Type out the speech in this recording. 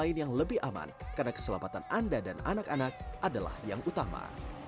lain yang lebih aman karena keselamatan anda dan anak anak adalah yang utama